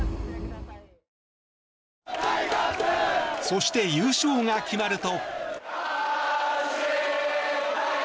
そして、優勝が決まると。